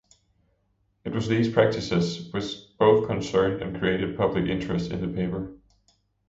It was these practices which both concerned and created public interest in the paper.